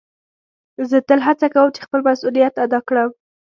زه تل هڅه کؤم چي خپل مسؤلیت ادا کړم.